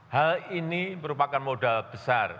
hal ini merupakan modal besar